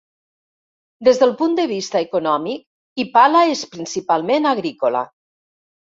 Des del punt de vista econòmic, Ipala és principalment agrícola.